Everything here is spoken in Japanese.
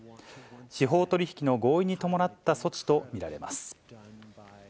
司法取引の合意に伴った措置と見られます。